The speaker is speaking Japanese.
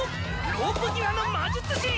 ロープ際の魔術師！